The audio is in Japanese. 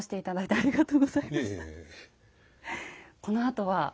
このあとは？